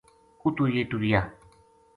اُتو یہ ٹُریا